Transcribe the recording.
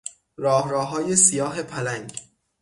راه راههای سیاه پلنگ